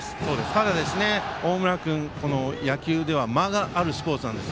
ただ、大村君、野球では間があるスポーツなんです。